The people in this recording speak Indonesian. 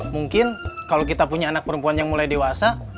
mungkin kalau kita punya anak perempuan yang mulai dewasa